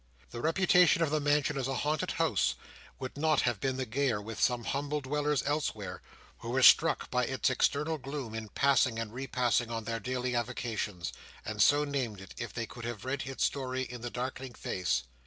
The reputation of the mansion as a haunted house, would not have been the gayer with some humble dwellers elsewhere, who were struck by its external gloom in passing and repassing on their daily avocations, and so named it, if they could have read its story in the darkening face.